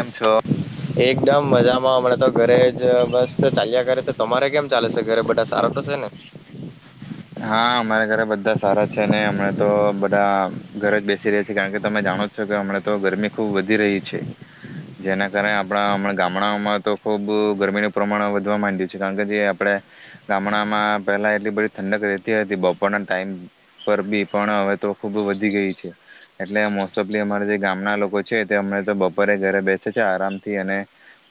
એમ છો એકદમ મજામાં હમણાં તો ઘરે જ બસ ચાલ્યા કરે છે તમારે કેમ ચાલે છે ઘરે બધા સારા તો છે ને હા અમારા ઘરે બધા સારા છે હમણા તો બધા ઘર જ બેસી રહ્યા છેીએ કારણ કે તમે જાણો છો કે હમણા તો ગરમી ખુબ વધી રહી છે જેના કારણે આપણા હમણાં ગામડાઓમાં તો ખૂબ ગરમીનું પ્રમાણ વધવા માંડય્યું છે કારણકે જે આપણે ગામડામાં પહેલા એટલી બધ ઠંડક રહેતી હતી બપોરના ટાઈઇમ પર બી પણ હવે તો ખૂબ વધી ગઈ છે એટલે મોસ્ટ ઓફલી અમારા જે ગામના લોકો છે તે અમને તો બપોરે ઘરે બેસે છે આરામથી અને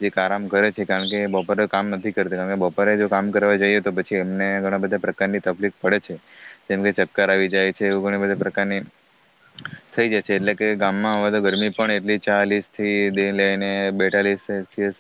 જે આરામ કરે છે કારણ કે બપોરે કામ નથી કરતા કારણ કે બપોરે જો કામ કરવા જઈએ તો પછી એમને ઘણા બધા તકલીફ પડે છે જેમ કે ચક્કાર આવી જાય છે એવું ઘણી બધા પ્રકારની થઈ જાય છે એટલે કે ગામમાં હવે તો ગરમી પણ એટલી ચાલીસ થી લઈને બેતાલીસ સેલ્સિયસ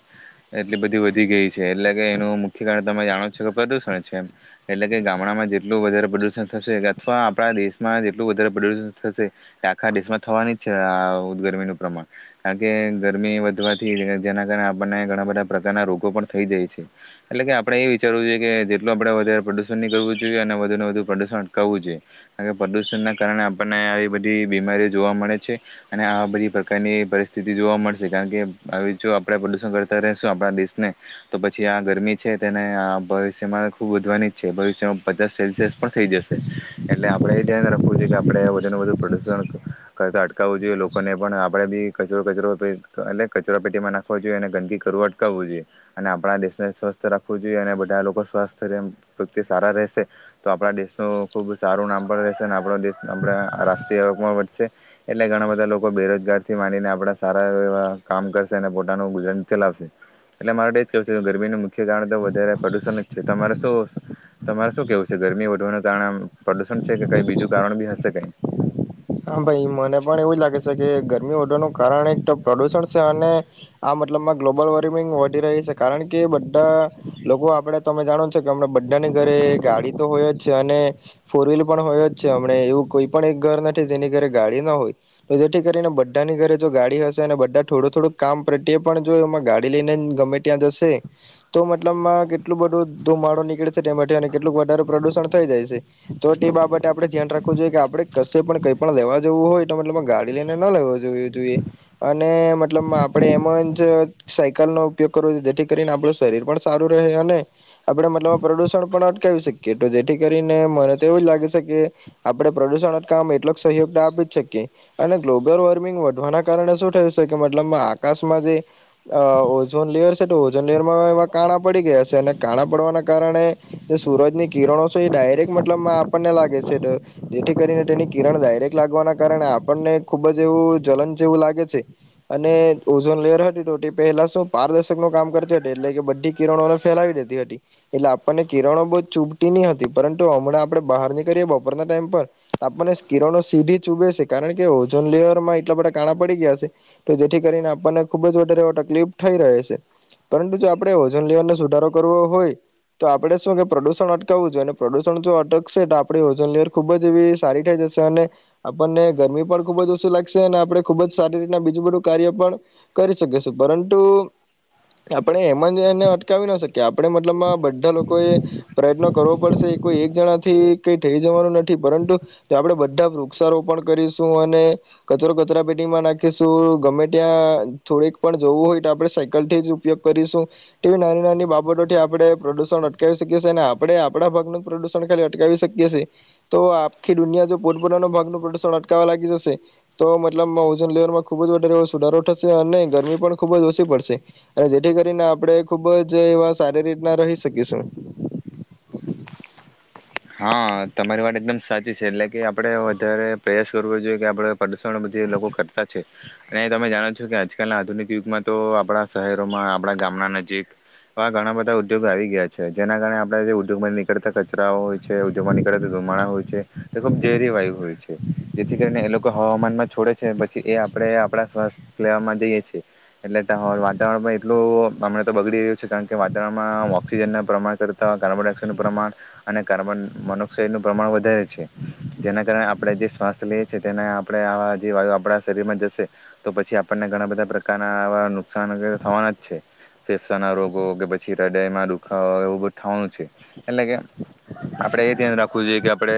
એટલી બધી વધી ગઈ છે એટલે કે એનું મુખ્ય કારણ તમે જાણો છો કે પ્રદુષણ છે એ એટલે કે ગામડામાં જેટલું વધારે પ્રદૂષણ થશે અથવા આપણા દેશમાં જેટલું વધારે પ્રદુષણ થશે એ આખા દેશમાં થવાની જ છે આ ગરમીનું પ્રમાણ કારણ કે ગરમી વધવાથી જેના કારણે આપણને ઘણા બધા પ્રકારના રોગો પણ થઈ જાય છે એટલે કે આપણેે એ વિચારવું જોઈએ કે જેટલું આપણે વધારે પ્રદુણ કરવું જોઈએ અને વધુને વધુ પ્રદૂષણ અટકાવવું જોઈએ કારણ કે પ્રદૂષણના કારણે આપણને આવી બધી બીમારીઓ જોવા મળે છે અને આ બધી પ્રકારની પરિસ્થિતિ જોવા મળશે કારણ કે આવીવે જો આપણે પ્રદૂષણ કરતા રશું આપણા દેશને તો પછી આ ગરમી છે તેને આ ભવિષ્યમાં ખૂબ વધવાની પચાસ સેલ્સિયસ પણ થઈ જશે એટલે આપે એ ધ્યાન રાખવું જોઈએ કે આપણેે વધુ ને વધુ પ્રદુષણ કરતા અટકાવવું જોઈએ લોકોને પણ આપણે બી કચરો કચરો એટ કચરા પેટીમાં નાખવો જોઈએ અને ગંદકી કરવું અટકાવવું જોઈએ અને આપણા દેશને સ્વસ્થ રાખવું જોઈએ અને બધા લોકો સ્વાસ્થ પ્ર સારા રહેશે તો આપણા દેશનું ખૂબ સારું નામ પણ રહેશે અને આપણા દેશ આપણા રાષ્ટ્રીય આવકમાં વધશે એટલે ઘણા બધા લોકો બેરોજગાર થી માનીને આપણા સારા એવા કામ કરશે અને પોતાનું ગુજરાન ચલાવશે એટલે માર દ જ કેવું છે કે ગરમીનું મુખ્ય કારણ તો વધારે પ્રદુષણ જ છેતારે શુંશે તમારે શું કેવું છે ગરમી વધવાનું કારણે આમ પ્રદુષણ છે કે કઈ બીજું કારણ બી હશે કઈ ગમી ઓોનુંું કારણ એક પ્રદુષણ છે અને આ મતલબમાં ગ્લોબલ વોર્મિંગ વધી રહી છે કારણ કે બધા લોકો આપણે તમે જાણો છો કેમ બધાની ઘરે ગાડી તો હોય જ છે અને ફોર વ્હીલર પણ હોય જ છે હમને એવું કોઈ પણ એક ઘર નથી જેની ઘરે ગાડી ના હોય તો જેથી કરીને બધાની ઘરે જો ગાડી હશે અને બધા થોડું થોડું કામ પ્રત્યે પણ જો એમાં ગાડી લઈને ગમે ત્યાં જશે તો મતલબમાં કેટલું બધું ધુમાડો નીકળે છે તે માટે અને કેટલું વધારે પ્રદુષણ થઈ જાય છે તો તે બાબતે આપણે ધ્યાન રાખવું જોઈએ કે આપણે પણ કઈ પણ લેવા જવું હોય તો મતલબ ગાડી લઈને ન લેવા જોવી જોઈએ અને મતલબ આપડે એમ જ સાયકલ નો ઉપયોગ કરવો જોઈએ જેથી કરીને આપડું શરીર પણ સારું રહે અને આપણે મતલબ પ્રદુષણ પણ અટકાવી શકીએ તો જેથી કરીને મને તો એવું જ લાગે છે કે આપે પ્રદુષણ એટલો સહયોગ આપી જ શકીએ અને ગ્લોબલ વોર્મિંગ વધવાના કારણે શું થયું છે કે મતલબ આકાશમાં જે ઓઝોન લેયર છે તો ઓઝોન લેયરમાં એવા કાણા પડી ગયા છે અને કાણા પડવાના કારણે જે સૂરજની કિરણો છે એ ડાયરેક્ટ મતલબ આપણને લાગે છે જેથી કરીને તેની કિરણ ડાયરેક્ટ લાગવાના કારણે આપણને ખુબ જ એવું જલન જેવું લાગે છે અને ઓઝોન લેયર હતી તોોટી પહેલા શું પારદર્શક નું કામ કરતી હતી એટલે કે બધી કિરણોને ફેલાવી દેતી હતી એટલે આપણને કિરણો બહ ચૂપટી નની હતી પરંતુ હમણાં આપણે બહાર નીળએ બપોરના ટાઈમ પર આપને કિરણો સીધી ચૂબે છે કારણ કે ઓઝોન લેયરમાં એટલા બધા કાણા પડી ગયા છે તો જેથી કરીને આપણને ખુબ જ વધારે એ તકલીફ થઈ રહે છે પરંતુ જો આપણે ઓઝોન લેયરને સુધારો કરવો હોય તો આપણે શું કે પ્રદુષણ અટકાવવું જોઈએ અને પ્રદુષણ જો અટકશે તો આપણે ઓઝન લેયર ખુબ જ એવી સારી થઈ જશે અને આપણને ગરમી પણ ખુબ જ ઓછી લાગશે અને આપણે ખુબ જ સારી રીતના બીજું બધું કાર્ય પણ કરી શકીશું પરંતુ આપણે એમ જ એને અટકાવી ના શકીએ આપણે મતલબમાં બધા લોકો એ પ્રયત્નો કરવો પડશે કોઈ એક જણા થી કઈ થઈ જવાનું નથી પરંતુ જો આપણે બધા વૃક્ષારોપણ કરીશું અને કચરો કચરા પેટીમાં નાખીશું ગમે ત્યાં થોડીક પણ જોવું હોય તો આપણે સાયકલ થી જ ઉપયોગ કરીશું એવી નાની નાની બાબતોથી આપણે પ્રદુષણ અટકાવી શકીએી અને આપણે આપણા ભાગનું પ્રદુષણ ખાલી અટકાવી શકીએ છીએ તો આખી દુનિયા જો પોતપોતાનો ભાગનું પ્રદુષણ અટકાવવા લાગી જશે, તો મતલબમાં ઓજન લેવરમાં ખુબ જ વધારે એવો સુધારો થશે અને ગરમી પણ ખૂબ જ ઓછી પડશે, અને જેથી કરીને આપણે ખુબ જ એવા સારી રીતના રહી શકીશું. હા તમારી વાત એકદમ સાચી છે એટલે કે આપણેે વધારે પેસ વ જોઈએ કે આપડ પ્રદુષણ બધી લોકો કરતા છે અને તમે જાણો છો, કે આજકાલ ના આધુનિક યુગમાં તો આપણા શહેરોમાં આપણા ગામના નજીક, આવા ઘણા બધા ઉદ્યોગો આવી ગયા છે, જેના કારણે આપણે જે ઉદ્યોગમાં નીકળતા કચરાઓ છે ઉદગ નીકળે ધુમાડા હોય છે, તે ખૂબ ઝેરી વાયુ હોય છે જેથી કરીને એ લોકો હવામાનમાં છોડે છે પછી એ આપણે આપણા સ્વાસ્થ્ય લેવામાં જઈએ છીએ, એટલે વાતાવરણમાં એટલું હમણાં તો બગડી રહ્યું છે કારણ કે વાતાવરણમાં ઓક્સિજનના પ્રમાણ કરતાં કાર્બન ડાયોક્સાઇડનું પ્રમાણ, અને કાર્બન મોનોક્સાઇડનું પ્રમાણ વધારે છે, જેના કારણે આપણે જે સ્વાસ્થ્ય લઈએ છી તેના આપણે આવા જે વાયુ આપણા શરીરમાં જશે, તો પછી આપણને ઘણા બધા પ્રકારના આવા નુકસાન થવાના જ છે, ફેફસાના રોગો કે પછી હૃદયમાં દુખાવો એવું બ થવાનું છે, એટલે કે આપડે એ ધ્યાન રાખવું જોઈએ કે આપડે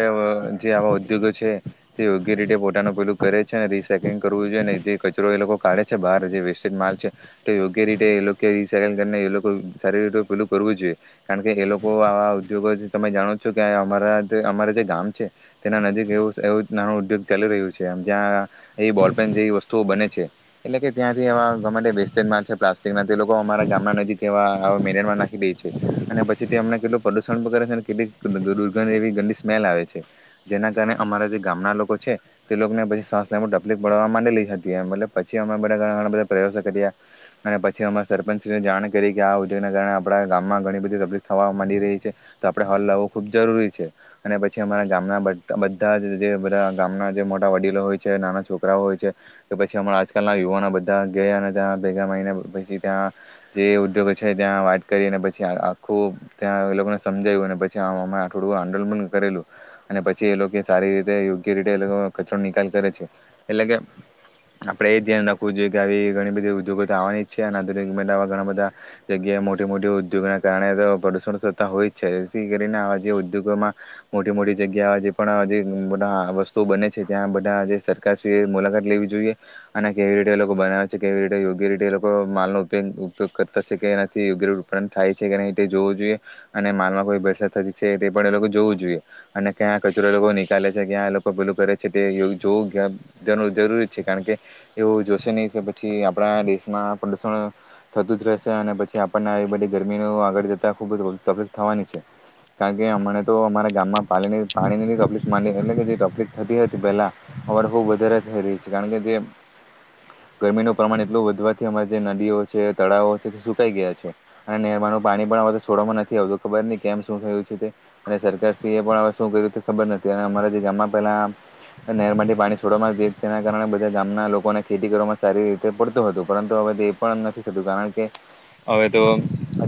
જે આવા ઉદ્યોગો છે, તે યોગ્ય રીતે પોતાનું પેલું કરે છે રીસાયકલિંગ કરવું જોઈએ જે કચરો એ લોકો કાઢે છે બહાર જે વેસ્ટેજ માલ છે, તે યોગ્ય રીતે એ લોકો રીસકલંગ કરીને એ લોકો સારી રીતે પેલું કરવું જોઈએ, કારણ કે એ લોકો આવા ઉદ્યોગો તમે જાણો છો કે અમારા અમારા જે ગામ છે, તેના નજીક એવું એવું નાનો ઉદ્યોગ ચાલી રહ્યું છેમ જ્યાં એ બોલપેન જેવી વસ્તુઓ બને છે, એટલે કે ત્યાંથી એવા વેસ્ટેજ મા છે પ્લાસ્ટિક ના તે લોકો અમારા ગામના નજીક એવા મેનરમાં નાખી દે છે, અને પછી તે અમને કેટલું પ્રદુષણ પણ કરે છે. કેટલીક દુર્ગંધ એવી ગંદી સ્મેલ આવે છે, જેના કારણે અમારા જે ગામના લોકો છે, તે લોકોને પછી શવાશ લેવા માં તકલીફ પડવા માંડી લઈ હતી એ પછી અમે બધા ઘણા બધા પ્રયાસો કર્યા અને, પછી અમારા સરપંચશ્રી જાણ કરી કે આ ઉદ્યોગના કારણે આપણા ગામમાં ઘણી બધી તકલીફ થવા માંડી રહી છે. આપણે હોલ લાવવું ખૂબ જરૂરી છે, અને પછી અમારા ગામના બધા જ જે બધા ગામના જે મોટા વડીલો હોય છે નાના છોકરાઓ હોય છે, તો પછી અમારા આજકાલના યુવાનો બધા ગયા અને ત્યાં ભેગા મળીને પછી ત્યાં, જે ઉદ્યોગો છે ત્યાં વાત કરીને પછી આખું ત્યાં એ લોકોને સમજાવ્યું પછે આમાં થોડું આન્દોલન કરેલું, અને પછી એ લોકો સારી રીતે યોગ્ય રીતે એ કચરો નિકાલ કરે છે, એટલે કે આપડે એ ધ્યાન રાખવું જોઈએ કે આવી ઘણી બધી ઉદ્યોગો તો આવવાની જ છે અને આક ઘણા બધા જગ્યાએ મોટી મોટી ઉદ્યોગ ના કારણે પ્રદુણ થતા હોય જ છે. થી કરીને આ જે ઉદ્યોગોમાં, મોટી મોટી જગ્યા જે પણ જેધ વસ્તુ બને છે ત્યાં બધા જે સરકાર મુલાકાત લેવી જોઈએ, અને કેવી રીતે એ લોકો બનાવે છે કેવી રીતે યોગ્ય રીતે એ લોકો માલનો ઉપયોગ ઉપયોગ કરતા છે કે નથી યોગ્યતે ઉત્પાદન થાય છે કે નહી જોવું જોઈએ, અને માલમાં કોઈ વરસાદ થતી છે તે પણ એ લોકો જોવું જોઈએ, અને ક્યાં કચોરો લોકો નિકાલે છે ક્યાં એ લોકો પેલું કરે છે તે જોવું જરૂરી છે કારણ કે, એવું જોશે નહી કે પછી આપણા દેશમાં પ્રદુષણ થતું જ રહેશે અને પછી આપણને આવી બધી ગરમીનું આગળ જતા ખૂબ જ તકલીફ થવાની છે. કારણ કે અમને તો અમારા ગામમાં પાણી પાણીની તકલીફ માંડી એટલે કે જે તકલીફ થતી હતી પેલા, અમારે બ‌ઉ વધારે થઈ રહી છે કારણ કે જે, ગરમીનું પ્રમાણ એટલું વધવાથી અમા જે નદીઓ છે તળાવો છે તે સુકાઈ ગયા છે, અને અમારું પાણી પણ અરે તો છોડવામાં નથી આવતું ખબર નહી. કેમ શું થયું છે સરકારશ્રી એ, પણ હવે શું કર્યું તે ખબર નથી અને અમારા જે ગામમાં પહેલા નહેર માંથી પાણી છોડવામાં તેના કારણે બધા ગામના લોકોને ખેતી કરવામાં સારી રીતે પડતું હતું પરંતુ હવે તે પણ નથી થતું કારણ કે, હવે તો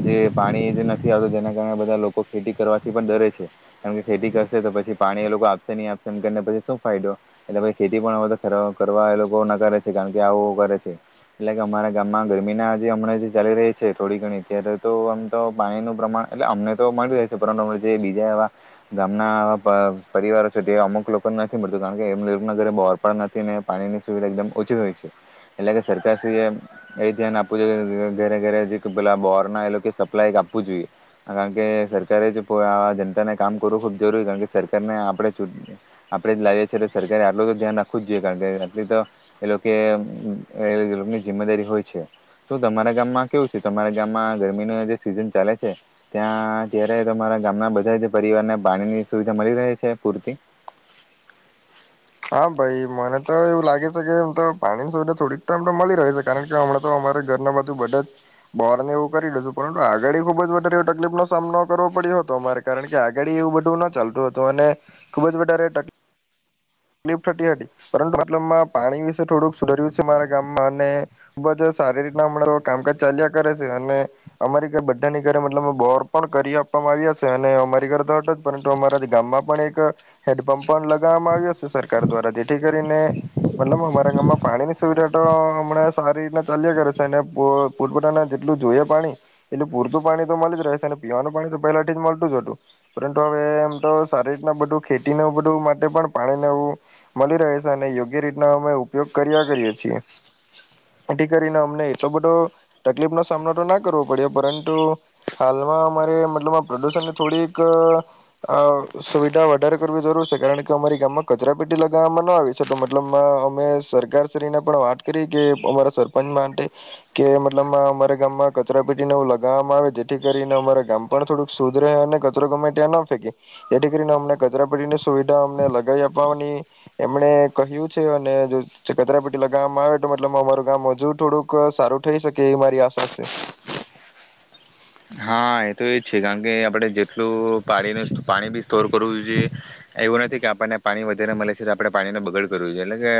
જે પાણી નથી આવતું તેના કારણે બધા લોક લોકો ખેતી કરવાથી પણ ડરે છે, કારણ કે ખેતી કરશે તો પછી પાણી એ લોકો આપશે નહીં આપશે એમ કરીને પછી શું ફાયદો, એટલે પછી ખેતી પણ હ તો ખ કરવા એ લોકો ના કરે છે કારણ કે આવું કરે છે, એટલે કે અમારા ગામમાં ગરમીના આજે હમણાં જે ચાલી રહી છે થોડી ઘણી અત્યારે તો આમ તો પાણીનું પ્રમાણ એટલે અમને પરુ જે બીજા એવા, ગામનાવા પરિવારો છે તે અમુક લોકોને નથી મળતું કારણ કે એમ લોકોના ઘરે બોર પણ નથી ને પાણીની સુવિધા એકદમ ઓછી હોય છે, એટલે કે સરકાર શ્રી એ ધ્યાન આપવું જોઈએ કે ઘરે ઘરે જે પેલા બોરના એ સપ્લાય આપવું જોઈએ, કારણ કે સરકારે જ આ જનતાને કામ કરવું ખુબ જરૂરી કારણ કે સરકારને આપણે, આપણે જ લાવીએ છીએ સરકારે આટલું તો ધ્યાન રાખવું જ જોઈએ કારણ કે આટલી તો, એ લોકોની જિમ્મેદારી હોય છે શું તમારા ગામમાં કેવું છે તમારા ગામમાં ગરમીનું જે સિઝન ચાલે છે? ત્યાં ત્યારે તમારા ગામના બધા જ પરિવારને પાણીની સુવિધા મળી રહે છે પૂરતી. હા ભાઈ મને તો એવું લાગે છે કેમ તો પાણીની સુવિધા થોડીક એમ તો મળી રહે છે કારણ કે હમણા તો અમારે ઘરના બધું બધા, જ બોર ને એવું કરી દશું પરંતુ આગાડી ખુબ જ વધારે એવ તકલીફ નો સામનો કરવો પડ્યો હતો અમારે કારણ કે આગડી એવું બધું ન ચાલતું હતું અને, ખુબ જ વધારે તકલીફ થતી હતી, પરંતુ મતલબ પાણી વિશે થોડુંક સુધર્યું છે મારા ગામમાં અને, ખુબ જ સારી રીતના કામકાજ ચાલ્યા કરે છે અને, અમારી ઘર બધાની ઘરે મતલબ બોર પણ કરી આપવામાં આવ્યા છે અને અમારી ઘરે તોટ જ પરંતુ અમારા ગામમાં પણ એક, હેન્ડપંપ પણ લગાવવામાં આવ્યા છે. સરકાર દ્વારા જેથી કરીને, મતલબ અમારા ગામમાં પાણીની સુવિધા તો હમણાં સારી રીતના ચાલ્યા કરે છે, અને પૂરપોતાના જેટલું જોઈએ પાણી એટલું પૂરતું પાણી તો મળી જ રહે છે અને પીવાનું પાણી તો પહેલા થી જ મળતું જ હતું, પરંતુ હવે એમ તો સારી રીતના બધું ખેતી ન બધું માટે પણ પાણી ને એવું મલી રે છે અને યોગ્ય રીતના અમે ઉપયોગ કર્યા કરીએ છીએ, એથી કરીને અમને એટલો બધો તકલીફ નો સામનો તો ના કરવો પડ્યો પરંતુ, હાલમાં અમારે મતલબ પ્રદુષણની થોડીક સુવિધા વધારે કરવી જરૂર છે કારણ કે અમારી ગામમાં કચરા પેટી લગાવવામાં ન આવી છે તો મતલબ અમે સરકારશ્રીને પણ વાત કરી કે અમારા સરપંચ માટે, કે મતલબમાં અમારા ગામમાં કચરા પેટીને એવું લગાવવામાં આવે જેથી કરીને અમારા ગામ પણ થોડુંક શુદ રહે અને કચરો ગમે ત્યાં ના ફેંકે, એથી કરીને અમને કચરાપેટીની સુવિધા અમને લગાવી આપ એમણે કહ્યું છે અને જો ચકતરા પેટીલા ગામ આવે તો મતલબ અમારું ગામ હજુ થોડુંક સારું થઈ શકે એ મારી આશા છે. હા એ તો એજ છે કા કે આપણે જેટલું પાણીનું પાણી બી સ્ટોર કરવું જોઈએ, એવું નથી કે આપણને પાણી વધારે મળે છે તો આપણે પાણીને બગાડ કરવું જોઈએ એટલે કે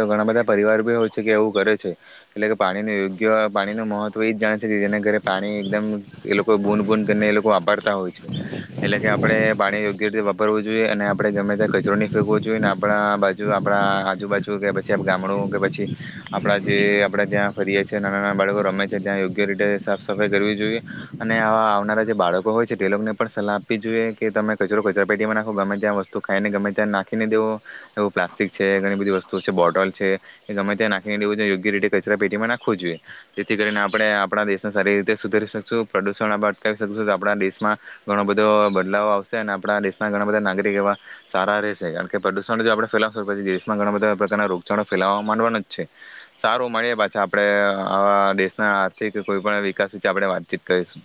તો ઘણા બધા પરિવાર બી હોય છે કે એવું કરે છે, એટલે કે પાણીનું યોગ્ય પાણી નુ મહત્વ એ જ જાણે છે કે જેના પાણી એકદમ એ લોકો બૂન બૂન કરીને એ લોકો વાપરતા હોય છે, એટલે કે આપણે પાણી યોગ્ય રીતે વાપરવું જોઈએ અને આપણે ગમે ત્યાં કચરો ફેંવો જોઈએ ને આપણા બાજુ આપણા આજુબાજુ કે પછી ગામડું કે પછી આપણા જે આપણે જ્યાં ફરીએ છી નાના નાના બાળકો રમે છે ત્યાં યોગ્ય રીતે સાફ સફાઈ કરવી જોઈએ. અને આવનારા જે બાળકો હોય છે તે લોકોને પણ સલાહ આપવી જોઈએ કે તમે કચરો કચરા પેટીમાં નાખો ગમે ત્યાં વસ્તુ ખાઈને ગમે ત્યાં નાખી ને દેવો, એવું પ્લાસ્ટિક છે ઘણી બધી વસ્તુ છે બોટલ છે, એ ગમે ત્યાં નાખીને દેવું યોગ્ય રીતે કચરા પેટીમાં નાખવું જોઈએ, જેથી કરીને આપણે આપણા દેશને સારી રીતે સુધારી શકશું. પ્રદૂષણ આપણે અટકાવસુ તો આપણા દેશમાં ઘણો બધો બદલાવ આવશે અને આપણા દેશના ઘણા બધા નાગરિક એવા સારા રહેશે કારણ કે પ્રદૂષણ જો આપણે ફેલાવસુ પછી દેશમાં ઘણા બધા પ્રકારના રોગચાળો ફેલાવવા માંડવાનો જ છે, સારું મળીએ પાછા આપણે આવા દેશના આર્થિક કોઈપણ વિકાસ વિશે આપણે વાતચીત કરીસુ.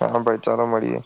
હા ભાઈ ચાલો મળીએ.